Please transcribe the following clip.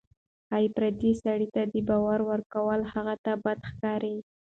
ښایي پردي سړي ته د بار ورکول هغې ته بد ښکاري.